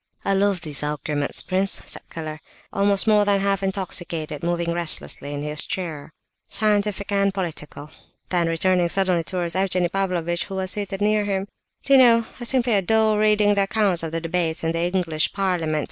"I love these arguments, prince," said Keller, also more than half intoxicated, moving restlessly in his chair. "Scientific and political." Then, turning suddenly towards Evgenie Pavlovitch, who was seated near him: "Do you know, I simply adore reading the accounts of the debates in the English parliament.